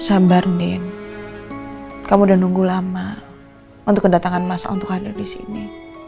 sabar andin kamu udah nunggu lama untuk kedatangan mas al untuk hadir disini